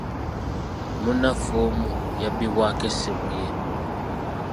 Munnaffe omu yabbibwako essimu ye.